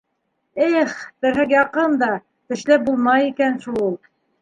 Эх, терһәк яҡын да, тешләп булмай икән шул.